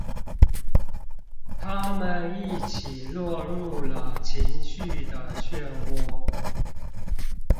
他們一起落入了情緒的旋渦